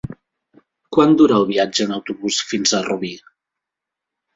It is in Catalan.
Quant dura el viatge en autobús fins a Rubí?